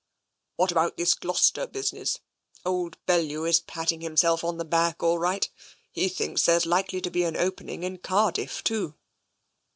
"What about this Gloucester business? Old Bel lew is patting himself on the back all right. He thinks there's likely to be an opening in Cardiff, too."